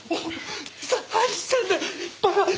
何してんだよ馬鹿。